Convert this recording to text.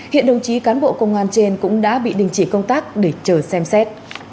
hiện đồng chí cán bộ công an trên cũng đã bị đình chỉ công tác để chờ xem xét